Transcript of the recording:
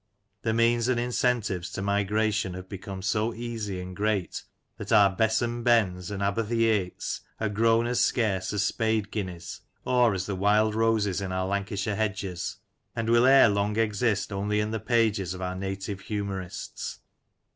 The means of and incentives to migration have become so easy and great that our " Besom Bens " and " Abb o*th' Yates " are grown as scarce as spade guineas, or as the wild roses in our Lan cashire hedges, and will ere long exist only in the pages of our native humourists.